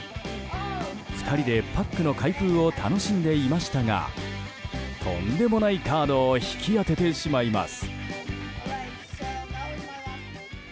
２人でパックの開封を楽しんでいましたがとんでもないカードを引き当ててしまいます。